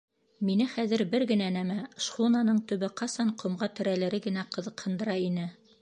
Мине хәҙер бер генә нәмә: шхунаның төбө ҡасан ҡомға терәлере генә ҡыҙыҡһындыра ине.